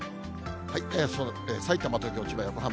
さいたま、東京、千葉、横浜。